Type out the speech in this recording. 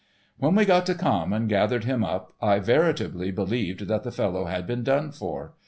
When we got to Camme and gathered him up, I veritably believed that the fellow had been done for.